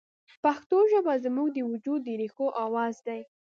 پښتو ژبه زموږ د وجود د ریښو اواز دی